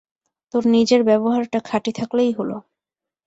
তোর নিজের ব্যবহারটা খাঁটি থাকলেই হল।